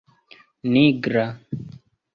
nigra